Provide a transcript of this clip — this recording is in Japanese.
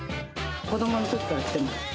子どものときから来てます。